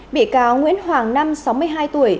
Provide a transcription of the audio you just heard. bị cáo nguyễn hoàng năm sáu mươi hai tuổi